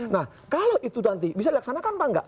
nah kalau itu nanti bisa dilaksanakan apa enggak